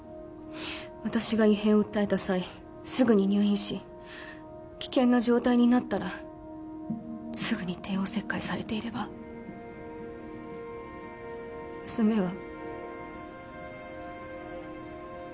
私が異変を訴えた際すぐに入院し危険な状態になったらすぐに帝王切開されていれば娘は。